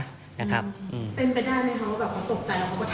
เป็นไปได้ไหมคะว่าเขาตกใจแล้วก็ทำอะไรไม่ถูก